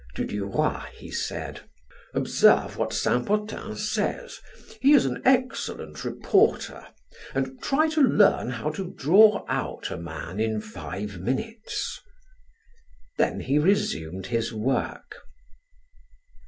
To Duroy he said: "Observe what Saint Potin says; he is an excellent reporter, and try to learn how to draw out a man in five minutes." Then he resumed his work.